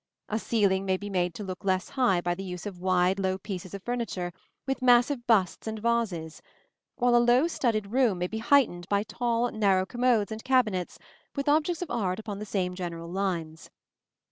A ceiling may be made to look less high by the use of wide, low pieces of furniture, with massive busts and vases; while a low studded room may be heightened by tall, narrow commodes and cabinets, with objects of art upon the same general lines.